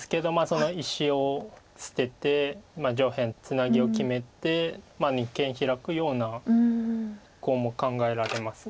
その石を捨てて上辺ツナギを決めて二間ヒラくようなコウも考えられます。